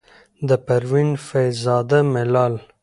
د پروين فيض زاده ملال،